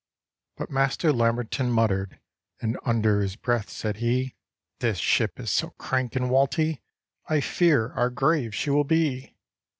But Master Lamberton muttered, And under his breath said he, " This ship is so crank and walty, I fear our grave she will be!"